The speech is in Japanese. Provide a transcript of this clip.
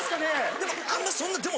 でもあんまそんなでも。